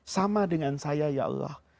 sama dengan saya ya allah